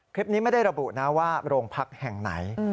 คลิปนี้ไม่ได้ระบุนะว่าโรงพักแห่งไหน